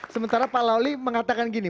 sementara pak lawli mengatakan gini